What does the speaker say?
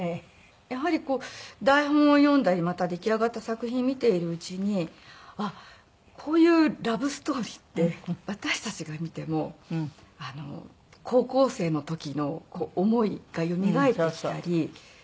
やはり台本を読んだりまた出来上がった作品を見ているうちにあっこういうラブストーリーって私たちが見ても高校生の時の思いがよみがえってきたり。